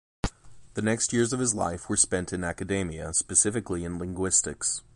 The next years of his life were spent in academia, specifically in linguistics.